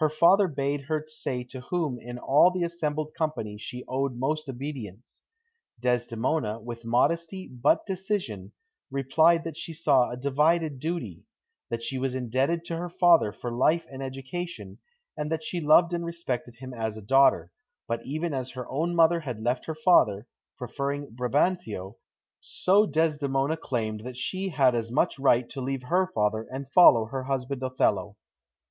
Her father bade her say to whom in all the assembled company she owed most obedience. Desdemona, with modesty but decision, replied that she saw a divided duty that she was indebted to her father for life and education, and that she loved and respected him as a daughter; but even as her own mother had left her father, preferring Brabantio, so Desdemona claimed that she had as much right to leave her father and follow her husband Othello.